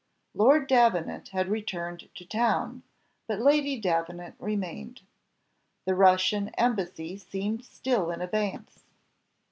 Lord Davenant had returned to town, but Lady Davenant remained. The Russian embassy seemed still in abeyance.